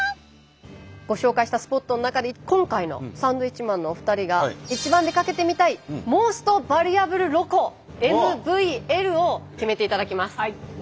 ご紹介したスポットの中で今回のサンドウィッチマンのお二人が一番出かけてみたいＭｏｓｔＶａｌｕａｂｌｅＬｏｃｏＭＶＬを決めていただきます。